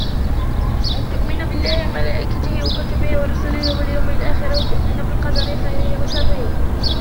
أَنْ تُؤْمِنَ بِاللهِ وَمَلاَئِكَتِهِ وَكُتُبِهِ وَرُسُلِهِ وَاليَوْمِ الآخِرِ، وَتُؤْمِنَ بِالْقَدَرِ خَيْرِهِ وَشَرِّهِِ